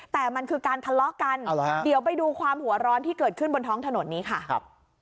แต่มันคือการทะเลาะกันเดี๋ยวไปดูความหัวร้อนที่เกิดขึ้นบนท้องถนนนี้ค่ะครับ